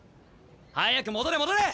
早く戻れ戻れ！